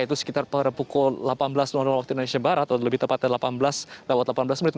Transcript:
itu sekitar pada pukul delapan belas wib atau lebih tepatnya delapan belas wib